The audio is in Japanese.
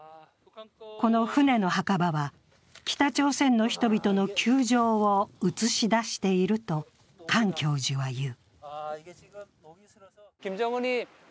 この船の墓場は、北朝鮮の人々の窮状を映し出しているとカン教授は言う。